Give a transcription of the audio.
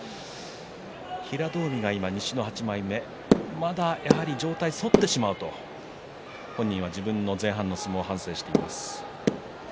平戸海は西の８枚目まだやはり上体が反ってしまうと本人は自分の前半の相撲を反省しています。